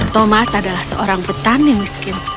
thomas adalah seorang petani miskin